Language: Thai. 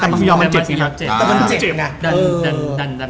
แต่มันย้องมันเจ็บนะ